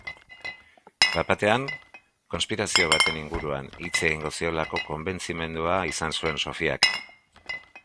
Bat-batean, konspirazio baten inguruan hitz egingo ziolako konbentzimendua izan zuen Sofiak.